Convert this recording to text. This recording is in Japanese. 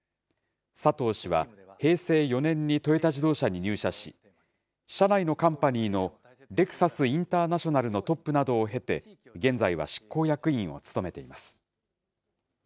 佐藤氏は平成４年にトヨタ自動車に入社し、社内のカンパニーのレクサスインターナショナルのトップなどを経て、現在は執行役員を務めています。